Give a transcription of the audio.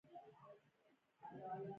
مومن خان یوازې رهي شو.